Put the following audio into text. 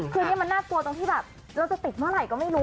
คือนี่มันน่ากลัวตรงที่แบบเราจะติดเมื่อไหร่ก็ไม่รู้